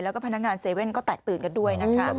แล้วก็พนักงานเซเว่นก็แตกตื่นกันด้วยนะครับ